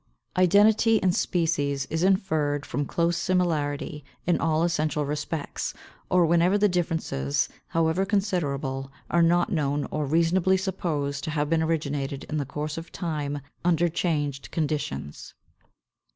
523. Identity in species is inferred from close similarity in all essential respects, or whenever the differences, however considerable, are not known or reasonably supposed to have been originated in the course of time under changed conditions.